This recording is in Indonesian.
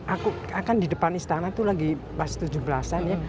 aku akan di depan istana itu lagi pas tujuh belas an ya